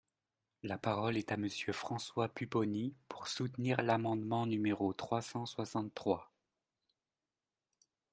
La parole est à Monsieur François Pupponi, pour soutenir l’amendement numéro trois cent soixante-trois.